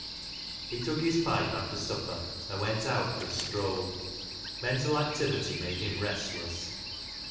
He took his pipe after supper and went out for a stroll Mental activity made him restless.